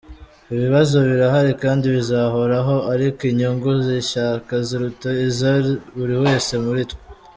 Ibibazo birahari kandi bizahoraho, ariko inyungu z’ishyaka ziruta iza buri wese muri twe.